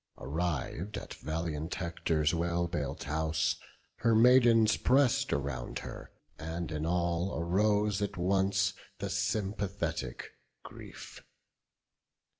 Arriv'd at valiant Hector's well built house, Her maidens press'd around her; and in all Arose at once the sympathetic grief.